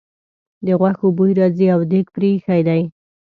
د غوښو بوی راځي او دېګ پرې ایښی دی.